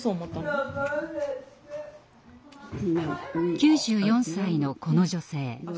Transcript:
９４歳のこの女性。